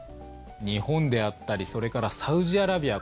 日本であったりそれからサウジアラビア